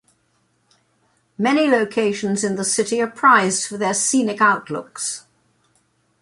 Many locations in the city are prized for their scenic outlooks.